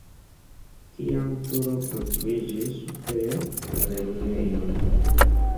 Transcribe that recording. Tiam turo konstruiĝis super la lernejon.